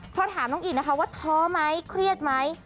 ก็ถามอิดว่าท้อไหมเครียดไหม